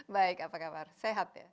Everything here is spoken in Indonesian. baik apa kabar sehat ya